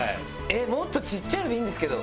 えっもっとちっちゃいのでいいんですけど。